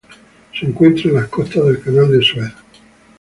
Se encuentran en las costas del Canal de Suez.